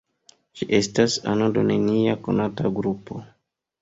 Ĝi estas ano de nenia konata grupo.